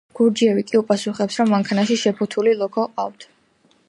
გურჯიევი კი უპასუხებს, რომ მანქანაში შეფუთული ლოქო ყავთ.